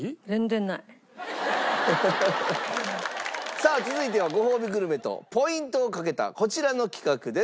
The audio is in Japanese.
さあ続いてはごほうびグルメとポイントをかけたこちらの企画です。